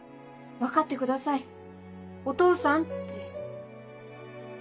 分かってくださいお父さん」って。